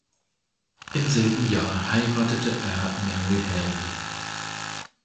Im selben Jahr heiratete er "Mary Haley".